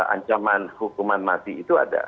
ancaman hukuman mati itu ada